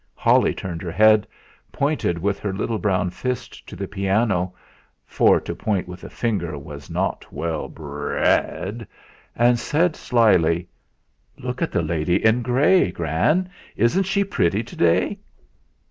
Holly turned her head, pointed with her little brown fist to the piano for to point with a finger was not 'well brrred' and said slyly: "Look at the 'lady in grey,' Gran; isn't she pretty to day?"